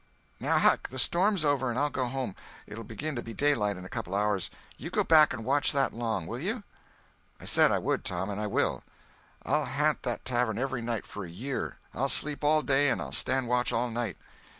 "Now, Huck, the storm's over, and I'll go home. It'll begin to be daylight in a couple of hours. You go back and watch that long, will you?" "I said I would, Tom, and I will. I'll ha'nt that tavern every night for a year! I'll sleep all day and I'll stand watch all night."